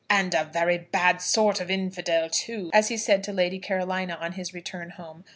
"And a very bad sort of infidel, too," as he said to Lady Carolina on his return home.